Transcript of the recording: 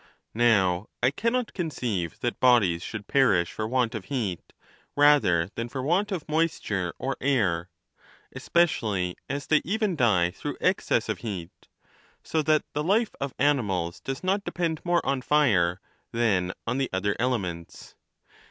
Now, I cannot conceive that bodies should perish for want of heat, rather than for want of moisture or air, especially as they even die through excess of heat; so that the life of animals does not depend moi'e on fire than on the other elements.